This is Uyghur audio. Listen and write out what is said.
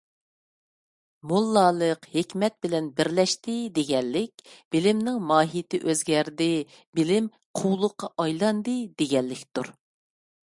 «موللا»لىق «ھېكمەت» بىلەن بىرلەشتى، دېگەنلىك بىلىمنىڭ ماھىيتى ئۆزگەردى، بىلىم قۇۋلۇققا ئايلاندى دېگەنلىكتۇر.